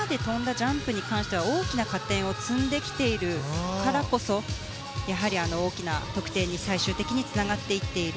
ジャンプに関しては大きな加点を積んできているからこそやはり大きな得点に最終的につながっていっている。